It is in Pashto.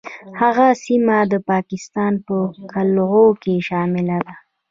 هغه سیمه د پاکستان په قلمرو کې شامله ده.